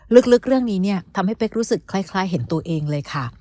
ลึกเรื่องนี้เนี่ยทำให้เป๊กรู้สึกคล้ายเห็นตัวเองเลยค่ะ